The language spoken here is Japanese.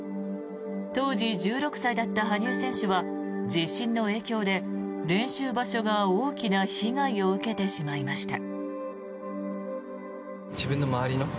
当時１６歳だった羽生選手は地震の影響で練習場所が大きな被害を受けてしまいました。